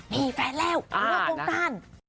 มีแฟนแล้วนอกวงการ